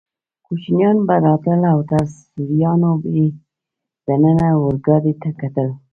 کوچنیان به راتلل او تر سوریانو به یې دننه اورګاډي ته کتل.